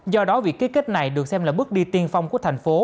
do đó việc ký kết này được xem là bước đi tiên phong của thành phố